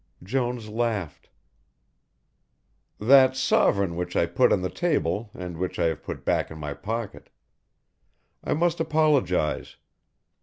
Jones laughed. "That sovereign which I put on the table and which I have put back in my pocket. I must apologise.